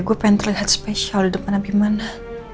gue pengen terlihat spesial di depan abimana